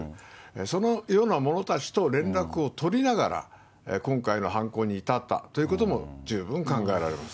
そのような者たちと連絡を取りながら、今回の犯行に至ったということも、十分考えられます。